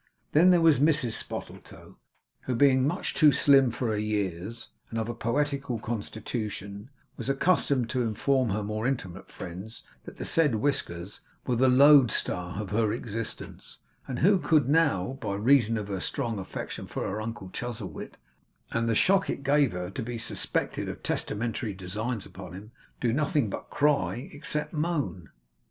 Then there was Mrs Spottletoe, who being much too slim for her years, and of a poetical constitution, was accustomed to inform her more intimate friends that the said whiskers were 'the lodestar of her existence;' and who could now, by reason of her strong affection for her uncle Chuzzlewit, and the shock it gave her to be suspected of testamentary designs upon him, do nothing but cry except moan.